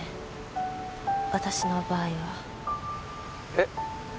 えっ？